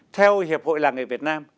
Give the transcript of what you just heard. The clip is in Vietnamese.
theo hiệp hội làng nghề việt nam